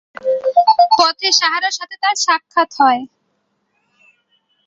পথে সারাহর সাথে সাক্ষাৎ হয়।